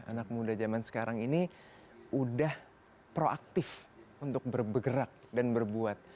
anak muda zaman sekarang ini udah proaktif untuk bergerak dan berbuat